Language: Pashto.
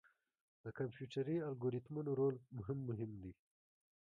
د کمپیوټري الګوریتمونو رول هم مهم دی.